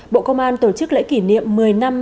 bộ công an tổ chức lễ kỷ niệm một mươi năm